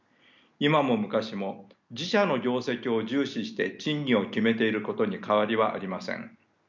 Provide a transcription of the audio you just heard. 今も昔も自社の業績を重視して賃金を決めていることに変わりはありません。